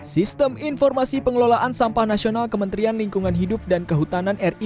sistem informasi pengelolaan sampah nasional kementerian lingkungan hidup dan kehutanan ri